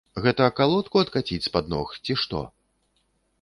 Гэта калодку адкаціць з-пад ног, ці што?